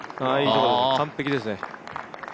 完璧ですね。